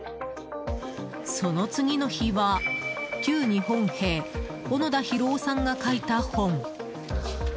その次の日は旧日本兵・小野田寛郎さんが書いた本。